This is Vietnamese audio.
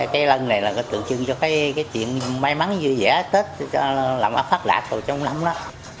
cái lân này là tượng trưng cho cái chuyện may mắn dễ dàng tết làm phát đạt trong năm đó